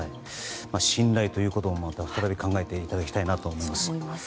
信頼ということも、再び考えていただきたいと思います。